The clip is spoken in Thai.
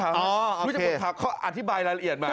รู้จักคนขับเขาอธิบายรายละเอียดมา